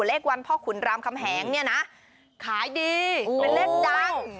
และเลขวัลภพคุณรำคำแหงขายดีเป็นเลขดัง